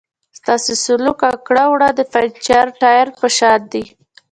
ستاسو سلوک او کړه وړه د پنچر ټایر په شان دي.